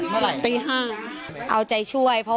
การแก้เคล็ดบางอย่างแค่นั้นเอง